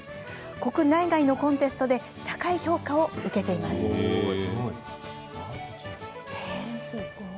国内外のコンテストで高い評価を受けています。